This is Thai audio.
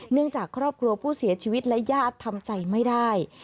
จากครอบครัวผู้เสียชีวิตและญาติทำใจไม่ได้